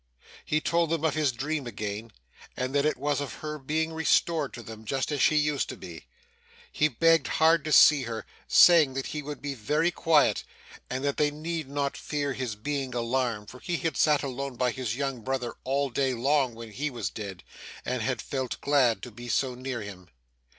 He told them of his dream again, and that it was of her being restored to them, just as she used to be. He begged hard to see her, saying that he would be very quiet, and that they need not fear his being alarmed, for he had sat alone by his young brother all day long when he was dead, and had felt glad to be so near him.